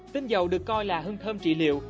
tinh dầu được coi là hương thơm trị liệu